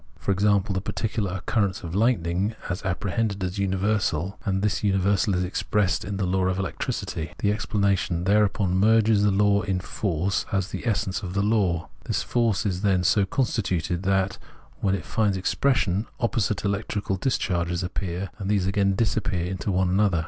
For example, the particular occurrence of hghtning is apprehended as universal, and this universal is expressed as the law of electricity ; the explanation thereupon merges the law in force as the essence of the law. This force is, then, so constituted that, when it finds expression, opposite electrical dis charges appear, and these again disappear into one another.